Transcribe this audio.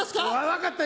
分かった！